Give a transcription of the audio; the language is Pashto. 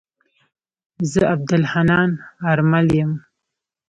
زه عبدالحنان آرمل يم.